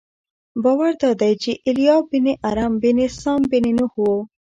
باور دادی چې ایلیا بن ارم بن سام بن نوح و.